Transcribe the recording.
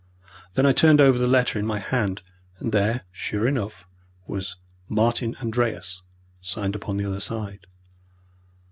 Then I turned over the letter in my hand, and there, sure enough, was "Martin Andreas" signed upon the other side.